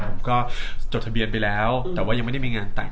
ผมก็จดทะเบียนไปแล้วแต่ว่ายังไม่ได้มีงานแต่ง